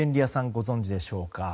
ご存じでしょうか。